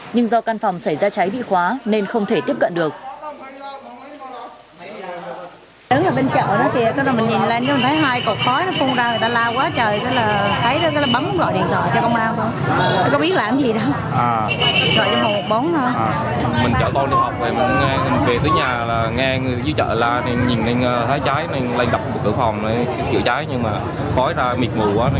nhưng do căn phòng xảy ra cháy bị khóa nên không thể tiếp cận được